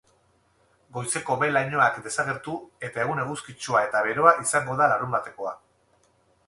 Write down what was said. Goizeko behe lainoak desagertu eta egun eguzkitsua eta beroa izango da larunbatekoa.